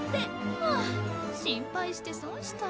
ハァ心配して損した。